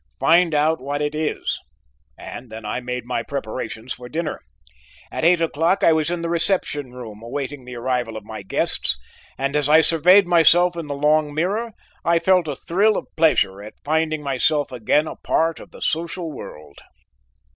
"Find out what it is." And then I made my preparations for dinner. At eight o'clock I was in the reception room awaiting the arrival of my guests, and as I surveyed myself in the long mirror, I felt a thrill of pleasure at finding myself again a part of the social world.